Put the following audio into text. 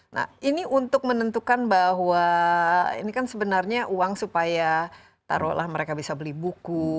nah ini untuk menentukan bahwa ini kan sebenarnya uang supaya taruhlah mereka bisa beli buku